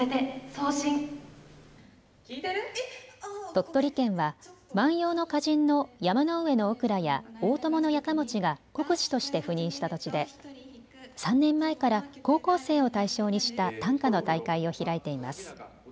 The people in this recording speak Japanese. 鳥取県は万葉の歌人の山上憶良や大伴家持が国司として赴任した土地で３年前から高校生を対象にした短歌の大会を開いています。